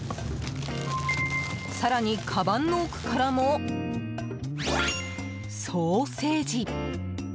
更にかばんの奥からもソーセージ。